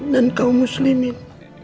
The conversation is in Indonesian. dan kaum muslimin